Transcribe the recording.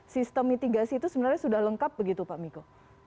sistem mitigasi itu sebenarnya sudah lengkap begitu pak miko